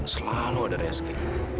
selalu ada reski